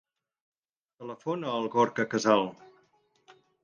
Telefona al Gorka Casal.